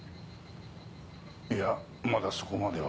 いやまだそこまでは。